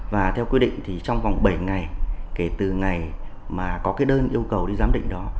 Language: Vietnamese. và theo quy định thì trong vòng bảy ngày kể từ ngày mà có cái đơn yêu cầu đi giám định đó